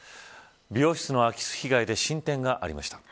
美容室の空き巣被害で進展がありました。